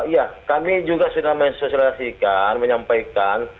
ya kami juga sudah mensosialisasikan menyampaikan